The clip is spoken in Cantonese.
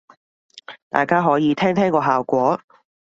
大家可以聽聽個效果